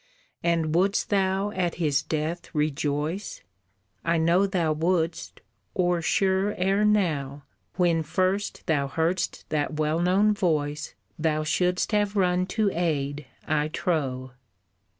And wouldst thou at his death rejoice? I know thou wouldst, or sure ere now When first thou heardst that well known voice Thou shouldst have run to aid, I trow.